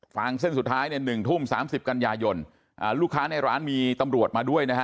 งเส้นสุดท้ายเนี่ย๑ทุ่ม๓๐กันยายนลูกค้าในร้านมีตำรวจมาด้วยนะฮะ